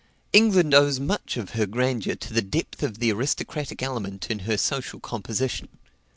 England owes much of her grandeur to the depth of the aristocratic element in her social composition.